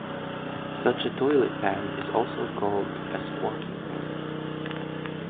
Such a toilet pan is also called a "squatting pan".